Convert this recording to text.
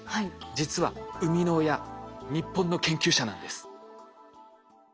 実は生みの親日本の研究者なんです。